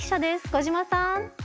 小島さん。